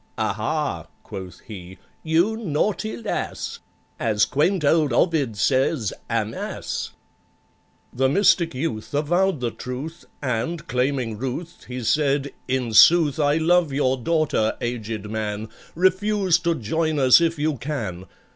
"Aha!" quoth he, "you naughty lass! As quaint old OVID says, 'Amas!'" The Mystic Youth avowed the truth, And, claiming ruth, he said, "In sooth I love your daughter, aged man: Refuse to join us if you can.